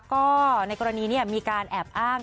ก็ในกรณีนี้มีการแอบอ้าง